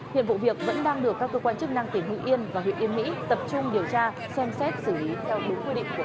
hiện vụ việc vẫn đang được các cơ quan chức năng tỉnh hưng yên và huyện yên mỹ tập trung điều tra xem xét xử lý theo đúng quy định của pháp luật